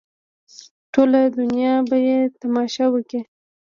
ټوله دنیا به یې تماشه وکړي.